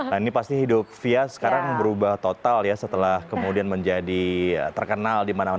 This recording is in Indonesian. nah ini pasti hidup fia sekarang berubah total ya setelah kemudian menjadi terkenal dimana mana